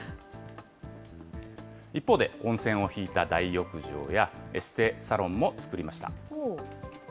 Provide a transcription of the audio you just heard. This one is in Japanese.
一方で、温泉を引いた大浴場や、エステサロンも作りました。